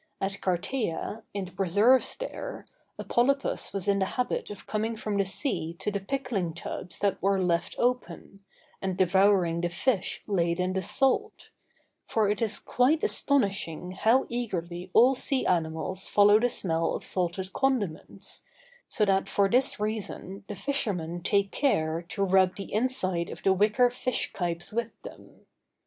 At Carteia, in the preserves there, a polypus was in the habit of coming from the sea to the pickling tubs that were left open, and devouring the fish laid in the salt—for it is quite astonishing how eagerly all sea animals follow the smell of salted condiments, so that for this reason the fishermen take care to rub the inside of the wicker fish kipes with them.